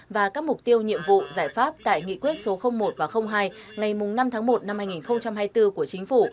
và các mục tiêu nhiệm vụ giải pháp tại nghị quyết số một và hai ngày năm tháng một năm hai nghìn hai mươi bốn của chính phủ